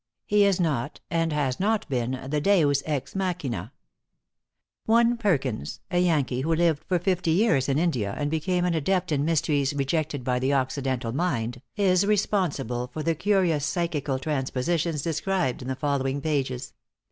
He is not, and has not been, the deus ex machina. One Perkins, a Yankee who lived for fifty years in India, and became an adept in mysteries rejected by the Occidental mind, is responsible for the curious psychical transpositions described in the following pages.